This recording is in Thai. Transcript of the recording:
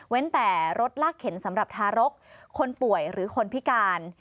แต่รถลากเข็นสำหรับทารกคนป่วยหรือคนพิการ